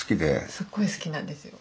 すっごい好きなんですよ。